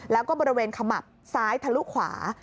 แล้วก็บริเวณขมับซ้ายทะลุขวา